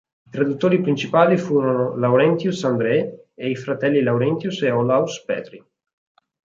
I traduttori principali furono Laurentius Andreae ed i fratelli Laurentius ed Olaus Petri.